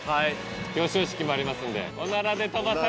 表彰式もありますんで。